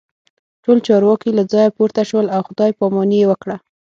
ټول چارواکي له ځایه پورته شول او خداي پاماني یې وکړه